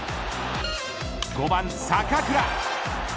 ５番、坂倉。